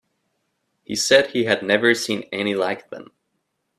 He said he had never seen any like them.